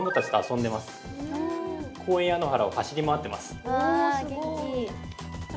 公園や野原を走り回ってます。